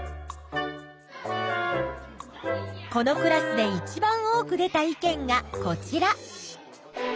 このクラスでいちばん多く出た意見がこちら。